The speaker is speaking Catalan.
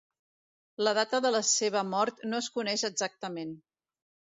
La data de la seva mort no es coneix exactament.